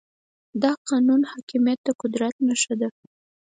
د قانون حاکميت د قدرت نښه ده.